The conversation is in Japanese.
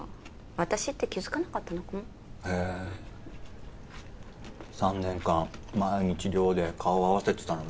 私って気付かなかったのかもへ３年間毎日寮で顔合わせてたのに？